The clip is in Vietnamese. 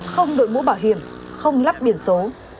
không đổi mũ bảo hiểm không lắp biển số